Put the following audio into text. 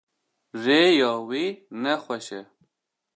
Rêya wî ne xweş e.